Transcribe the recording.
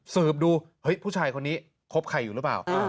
สืบดูเฮ้ยผู้ชายคนนี้คบใครอยู่หรือเปล่า